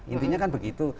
intinya kan begitu